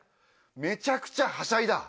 めちゃくちゃはしゃいだ